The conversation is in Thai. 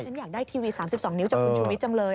ฉันอยากได้ทีวี๓๒นิ้วจากคุณชูวิทย์จังเลย